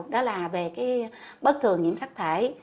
đó là về cái bất thường nhiễm sắc thể